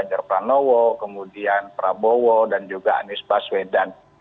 ganjar pranowo kemudian prabowo dan juga anies baswedan